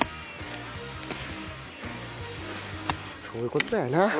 そういう事だよな。